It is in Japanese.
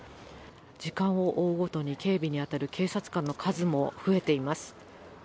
時間を追うごとに警備に当たる警察官の数も増えています。